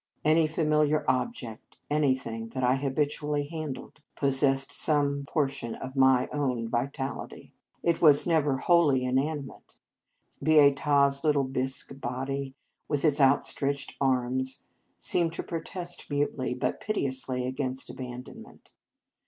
Any familiar object, anything that I ha bitually handled, possessed some por tion of my own vitality. It was never wholly inanimate. Beata s little bisque body, with its outstretched arms, seemed to protest mutely but pite ously against abandonment.